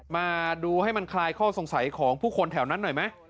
มาดูให้มันคลายข้อสงสัยของผู้คนแถวนั้นหน่อยไหม